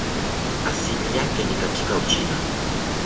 Asili yake ni katika Uchina.